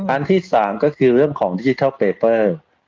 อันที่๓ก็คือเรื่องของดิจิทัลเปเปอร์